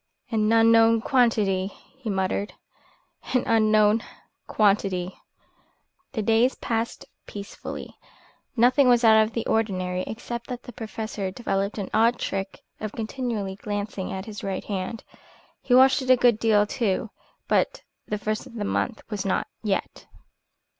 "An unknown quantity!" he muttered. "An unknown quantity!" The days passed peacefully. Nothing was out of the ordinary except that the Professor developed an odd trick of continually glancing at his right hand. He washed it a good deal, too. But the first of the month was not yet.